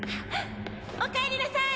おかえりなさい！